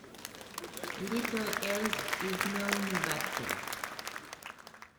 Little else is known about them.